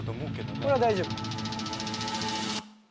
これは大丈夫。